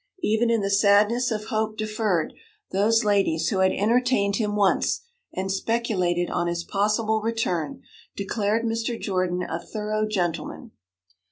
Even in the sadness of hope deferred, those ladies who had entertained him once, and speculated on his possible return, declared Mr. Jordan a 'thorough gentleman'.